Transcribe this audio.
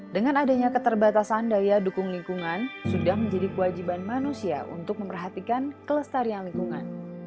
dengan adanya keterbatasan daya dukung lingkungan sudah menjadi kewajiban manusia untuk memperhatikan kelestarian lingkungan